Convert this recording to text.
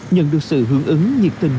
nhận được sự hưởng ứng nhiệt tình